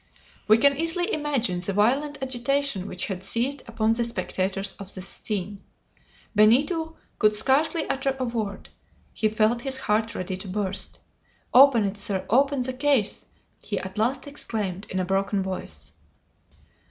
We can easily imagine the violent agitation which had seized upon the spectators of this scene. Benito could scarcely utter a word, he felt his heart ready to burst. "Open it, sir! open the case!" he at last exclaimed, in a broken voice.